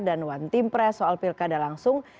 dan one team press soal pilkada langsung